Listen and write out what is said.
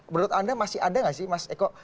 menurut anda masih ada nggak sih mas eko